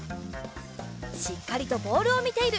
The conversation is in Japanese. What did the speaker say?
しっかりとボールをみている！